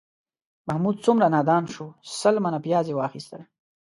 محمود څومره نادان شو، سل منه پیاز یې واخیستل